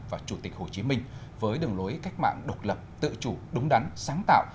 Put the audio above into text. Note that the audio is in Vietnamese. và chủ tịch hồ chí minh với đường lối cách mạng độc lập tự chủ đúng đắn sáng tạo